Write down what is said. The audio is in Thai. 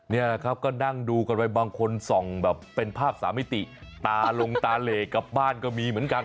นี่แหละครับก็นั่งดูกันไปบางคนส่องแบบเป็นภาพสามิติตาลงตาเหลกลับบ้านก็มีเหมือนกัน